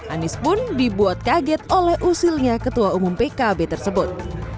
anies pun dibuat kaget oleh usilnya ketua umum pkb tersebut